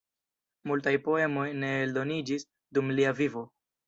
Multaj poemoj ne eldoniĝis dum lia vivo.